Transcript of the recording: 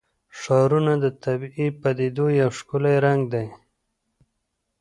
ښارونه د طبیعي پدیدو یو ښکلی رنګ دی.